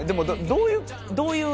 どどういう？